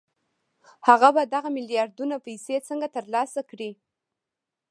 هغه به دغه میلیاردونه پیسې څنګه ترلاسه کړي